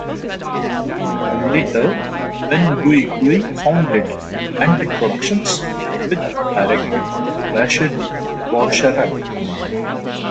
Later Benguigui founded "Bandit Productions" with director Rachid Bouchareb.